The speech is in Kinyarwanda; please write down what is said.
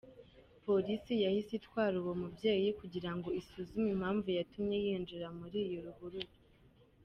Polisi yahise itwara uwo mubyeyi kugira ngo isuzume impamvu yatumye yinjira muri iyo ruhurura.